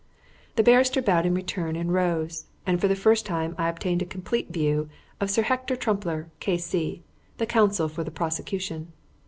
The barrister bowed in return and rose, and for the first time I obtained a complete view of Sir Hector Trumpler, K.C., the counsel for the prosecution.